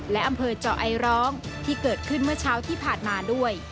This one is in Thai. และอำเภอเจาะไอร้องที่เกิดขึ้นเมื่อเช้าที่ผ่านมาด้วย